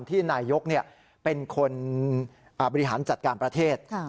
นายกเป็นคนบริหารจัดการประเทศ